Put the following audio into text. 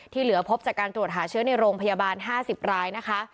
เหลือพบจากการตรวจหาเชื้อในโรงพยาบาล๕๐รายนะคะ